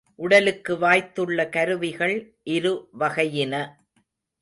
உடலுக்கு வாய்த்துள்ள கருவிகள் இரு வகையின.